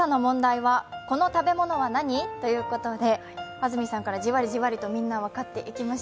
安住さんからじわりじわりとみんな分かってきました。